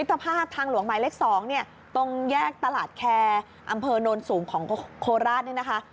ถ้าทางหลวงไมล์เล็ก๒ตรงแยกตลาดแคร์อำเภอโนนสูงของโคลราศนี่นะคะ